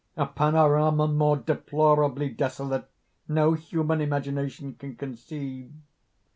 A panorama more deplorably desolate no human imagination can conceive.